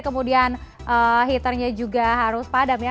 kemudian heaternya juga harus padam ya